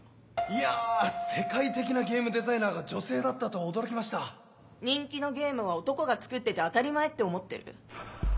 いや世界的なゲームデザイナーが人気のゲームは男が作ってて当たり前って思ってる？